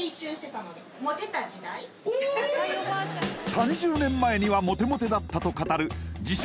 ３０年前にはモテモテだったと語る自称